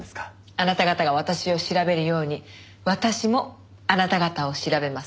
あなた方が私を調べるように私もあなた方を調べます。